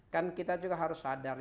kan kita juga harus sadar